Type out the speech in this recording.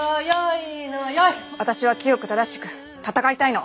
私は清く正しく戦いたいの。